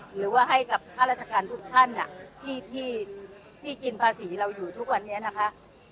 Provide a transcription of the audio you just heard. หรือว่าให้กับข้าราชการทุกท่านที่กินภาษีเราอยู่ทุกวันนี้นะคะ